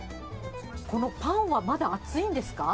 このパンはまだ熱いんですか？